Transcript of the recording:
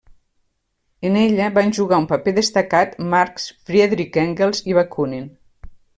En ella van jugar un paper destacat Marx, Friedrich Engels i Bakunin.